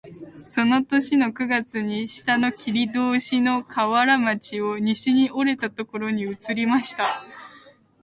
その年の九月に下の切り通しの河原町を西に折れたところに移りました